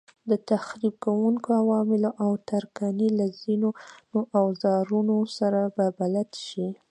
د تخریب کوونکو عواملو او ترکاڼۍ له ځینو اوزارونو سره به بلد شئ.